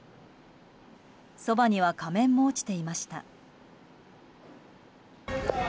そばには仮面も落ちていました。